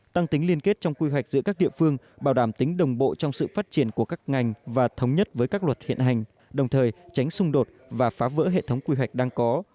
tăng tính liên kết trong quy hoạch giữa các địa phương bảo đảm tính đồng bộ trong sự phát triển của các ngành và thống nhất với các luật hiện hành đồng thời tránh xung đột và phá vỡ hệ thống quy hoạch đang có